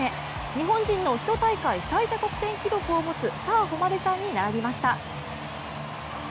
日本人の一大会最多得点記録を持つ澤穂希さんに並びました。